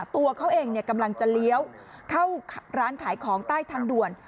ตัวเขาเองกำลังจะเลี้ยวเข้าร้านขายของใต้ทางด่วน